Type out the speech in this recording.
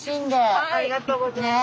ありがとうございます。